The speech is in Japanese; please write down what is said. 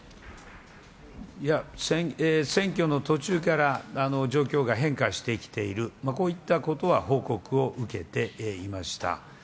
いや、選挙の途中から状況が変化してきている、こういったことは報告を受けていました。